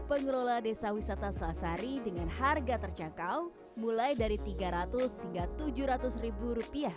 pengelola desa wisata selasari dengan harga terjangkau mulai dari tiga ratus hingga tujuh ratus rupiah